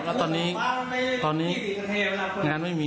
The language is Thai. ลักษณ์มากกว่า